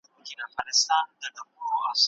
املا د ذهن او لاس ترمنځ همغږي پیدا کوي.